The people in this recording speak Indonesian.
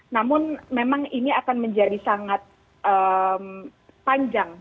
namun memang ini akan menjadi sangat panjang